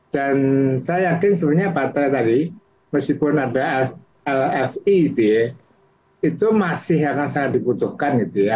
dan saya yakin sebenarnya baterai tadi meskipun ada lfp itu ya itu masih akan sangat dibutuhkan gitu ya